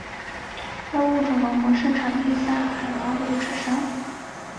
该物种的模式产地在海南五指山。